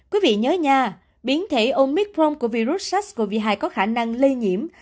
quý vị nhớ nha biến thể omicron của virus sars cov hai có khả năng lây nhiễm